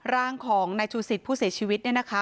ร่างของนายชูศิษย์ผู้เสียชีวิตเนี่ยนะคะ